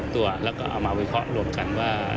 ตัวแล้วก็เอามาวิเคราะห์รวมกันว่า